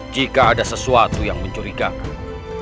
jika ada sesuatu yang mencurigakan